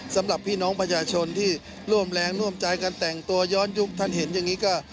สำหรับพี่น้องประชาชนที่ร่วมแรงร่วมใจกันแต่งตัวย้อนยุคท่านเห็นอย่างนี้ก็